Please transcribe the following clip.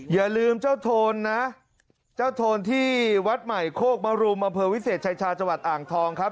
อย่าลืมเจ้าโทนนะเจ้าโทนที่วัดใหม่โคกมรุมอำเภอวิเศษชายชาจังหวัดอ่างทองครับ